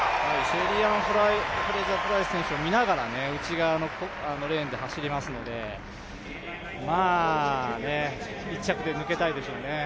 シェリーアン・フレイザー・プライス選手を見ながら内側のレーンで走りますので１着で抜けたいでしょうね。